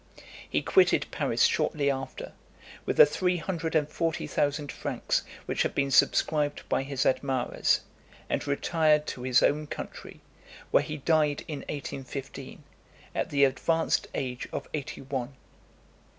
He quitted Paris shortly after, with the three hundred and forty thousand francs which had been subscribed by his admirers, and retired to his own country, where he died in 1815, at the advanced age of eighty one.